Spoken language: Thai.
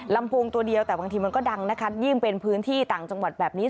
ลำโพงตัวเดียวแต่บางทีมันก็ดังนะคะยิ่งเป็นพื้นที่ต่างจังหวัดแบบนี้